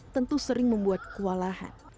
tentu sering membuat kewalahan